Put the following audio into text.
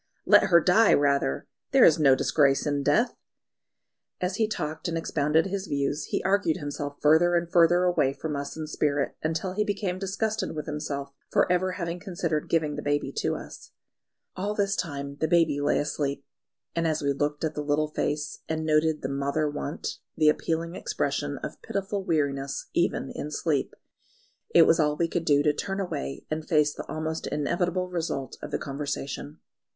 "Let her die rather! There is no disgrace in death." As he talked and expounded his views, he argued himself further and further away from us in spirit, until he became disgusted with himself for ever having considered giving the baby to us. All this time the baby lay asleep; and as we looked at the little face and noted the "mother want," the appealing expression of pitiful weariness even in sleep, it was all we could do to turn away and face the almost inevitable result of the conversation.